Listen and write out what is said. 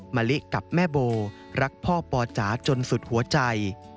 มะลิกับแม่โบรักพ่อปอจ๋าจนสุดหัวใจ